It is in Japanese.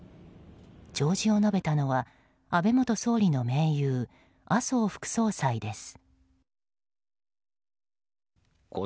弔辞を述べたのは安倍元総理の盟友麻生副総裁です。